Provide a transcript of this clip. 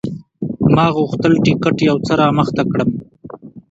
ما غوښتل ټکټ یو څه رامخته کړم.